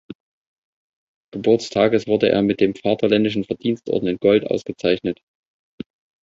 Geburtstages wurde er mit dem Vaterländischen Verdienstorden in Gold ausgezeichnet.